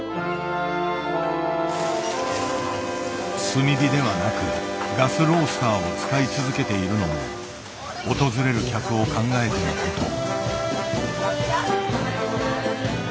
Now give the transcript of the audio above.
炭火ではなくガスロースターを使い続けているのも訪れる客を考えてのこと。